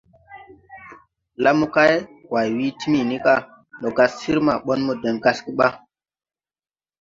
Lan mokay Way wii Timini ga: Ndo gas sir ma ɓon mo deŋ gasge ɓa?